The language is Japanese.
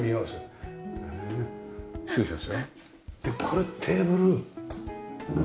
これテーブル。